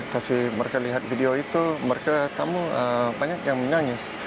kasih mereka lihat video itu mereka tamu banyak yang nyanyi